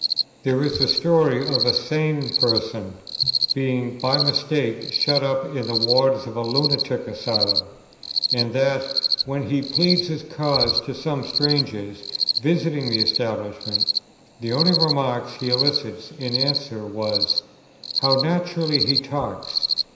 There is a story of a sane person being by mistake shut up in the wards of a Lunatic Asylum, and that, when he pleaded his cause to some strangers visiting the establishment, the only remark he elicited in answer was, "How naturally he talks!